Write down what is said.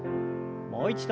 もう一度。